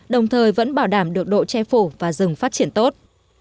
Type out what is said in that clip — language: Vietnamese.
đồng thời vẫn bảo đảm được độ che phủ và rừng phát triển tốt